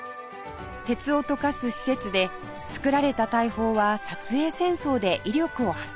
鉄を溶かす施設で作られた大砲は英戦争で威力を発揮しました